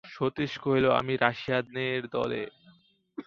সতীশ কহিল, আমি রাশিয়ানের দলে।